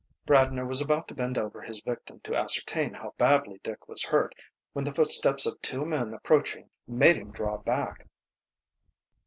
Bradner was about to bend over his victim to ascertain how badly Dick was hurt when the footsteps of two men approaching made him draw back.